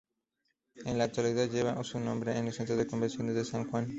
En la actualidad lleva su nombre el Centro de Convenciones de San Juan.